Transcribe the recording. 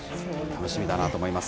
楽しみだなと思います。